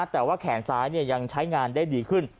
แต่ว่าแขนซ้ายยังใช้งานได้ดีขึ้น